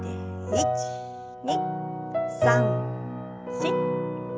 １２３４。